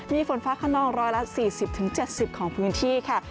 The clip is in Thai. มีฝนฟ้าขนองร้อยละ๔๐๗๐ของพื้นที่ค่ะ